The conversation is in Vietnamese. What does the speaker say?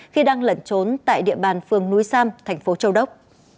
khi đang lẩn trốn tại địa bàn phường núi sam thành phố châu đốc